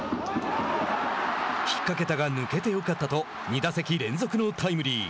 ひっかけが抜けてよかったと２打席連続のタイムリー。